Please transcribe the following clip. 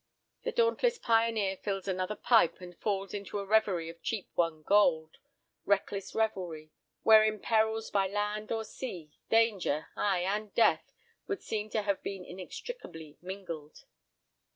The dauntless pioneer fills another pipe and falls into a reverie of cheap won gold, reckless revelry, wherein perils by land or sea, danger, ay, and death, would seem to have been inextricably mingled.